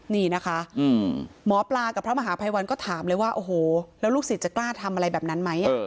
นี่นะคะหมอปลากับพระมหาภัยวันก็ถามเลยว่าโอ้โหแล้วลูกศิษย์จะกล้าทำอะไรแบบนั้นไหม